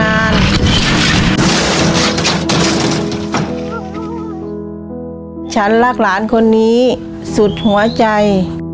ฉันรักหลานคนนี้สุดหัวใจ